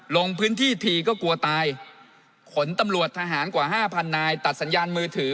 ลงพื้นที่ทีก็กลัวตายขนตำรวจทหารกว่าห้าพันนายตัดสัญญาณมือถือ